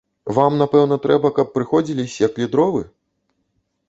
Вам, напэўна, трэба, каб прыходзілі, секлі дровы?